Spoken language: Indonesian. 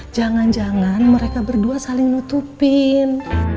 jangan jangan mereka berdua saling nutupin